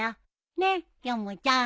ねっヨモちゃん。